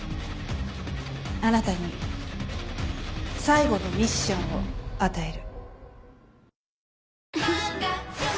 あなたに最後のミッションを与える。